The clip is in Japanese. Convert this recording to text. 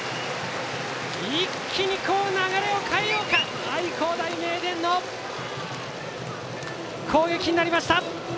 一気に流れを変えようか愛工大名電の攻撃になりました！